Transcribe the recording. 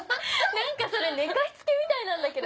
何かそれ寝かしつけみたいなんだけど。